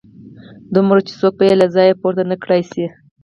دومره وي چې څوک به يې له ځايه پورته نه کړای شي.